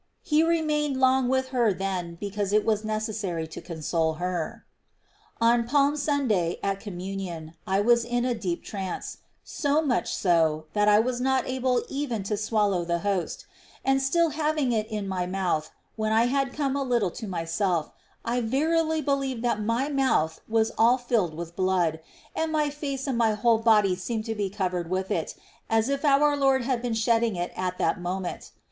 He remained long with her then because it was necessary to console her. 5. On Palm Sunday, at Communion, I was in c^mm^ion. ^ ^^^P traucc, — SO much so, that I was not able even to swallow the Host ; and, still having It in my mouth, when I had come a little to myself, I verily believed that my mouth was all filled with Blood ; and my face and my whole body seemed to be covered with It, as if our Lord had been shedding It at that moment.